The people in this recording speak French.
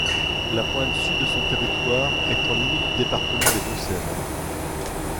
La pointe sud de son territoire est en limite du département des Deux-Sèvres.